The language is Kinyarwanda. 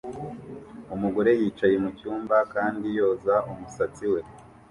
Umugore yicaye mucyumba kandi yoza umusatsi we